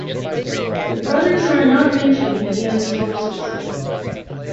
The brothers are not mentioned in any other sources.